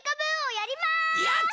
やった！